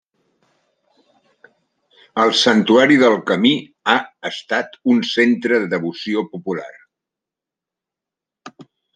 El santuari del Camí ha estat un centre de devoció popular.